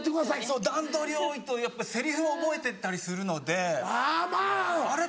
そう段取り多いとやっぱセリフ覚えてったりするので「あれ？